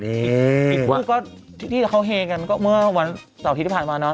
อีกคู่ก็ที่เขาเฮกันก็เมื่อวันเสาร์อาทิตย์ที่ผ่านมาเนาะ